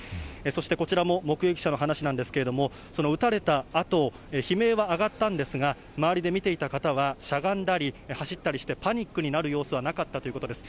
そしてこちらも目撃者の話なんですけれども、その撃たれたあと、悲鳴は上がったんですが、周りで見ていた方は、しゃがんだり走ったりして、パニックになる様子はなかったということです。